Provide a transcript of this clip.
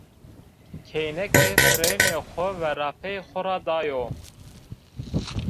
Kêneke pirênê xo verapey xo ra dayo